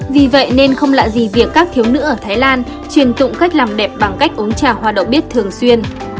vì vậy nên không lạ gì việc các thiếu nữ ở thái lan truyền tụng cách làm đẹp bằng cách uống trà hoa đậu bếp thường xuyên